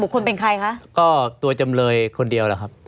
ไม่มีครับไม่มีครับ